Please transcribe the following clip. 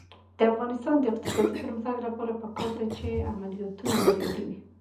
د افغانستان د اقتصادي پرمختګ لپاره پکار ده چې عملیاتونه بریالي وي.